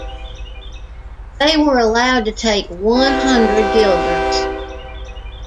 They were allowed to take one hundred Guilders.